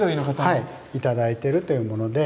はい頂いてるというもので。